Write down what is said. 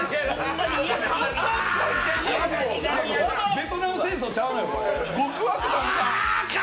ベトナム戦争ちゃうねん、これ。